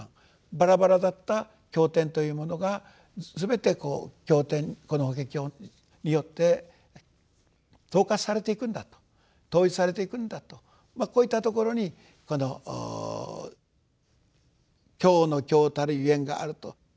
バラバラだった経典というものが全てこの法華経によって統括されていくんだと統一されていくんだとこういったところにこの経の経王たるゆえんがあると。